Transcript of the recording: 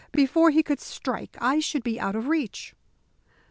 Before he could strike I should be out of reach."